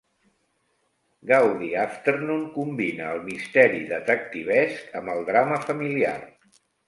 "Gaudi Afternoon" combina el misteri detectivesc amb el drama familiar.